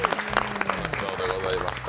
楽しそうでございました。